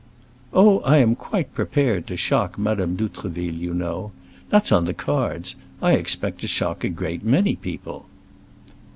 "Oh, I am quite prepared to shock Madame d'Outreville, you know. That's on the cards. I expect to shock a great many people."